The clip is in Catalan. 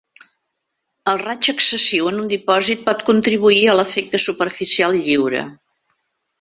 El raig excessiu en un dipòsit pot contribuir a l'efecte superficial lliure.